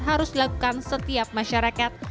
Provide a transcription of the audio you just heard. harus dilakukan setiap masyarakat